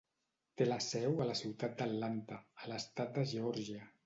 Té la seu a la ciutat d'Atlanta, a l'estat de Geòrgia.